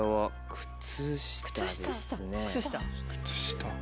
靴下。